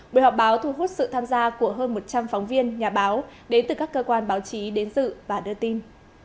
buổi họp báo thu hút sự tham gia của hơn một trăm linh phóng viên nhà báo đến từ các cơ quan báo chí đến dự và đưa tin